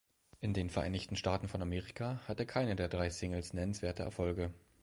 In den Vereinigten Staaten von Amerika hatte keine der drei Singles nennenswerte Erfolge.